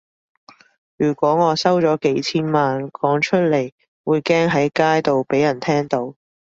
如果我收咗幾千萬，講出嚟會驚喺街度畀人聽到